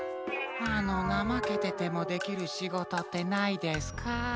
あのなまけててもできるしごとってないですか？